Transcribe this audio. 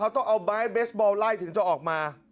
เขาต้องสิวะสาวถึงจะออกมา